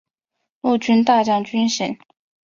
陆军大将军衔。